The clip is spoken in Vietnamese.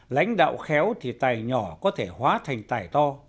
lãnh đạo khéo thì tài nhỏ có thể hóa thành tài to